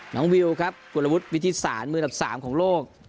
วิวครับกุลวุฒิวิทธิศาลมือดับ๓ของโลก